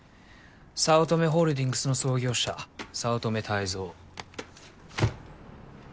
早乙女ホールディングスの創業者早乙女泰造。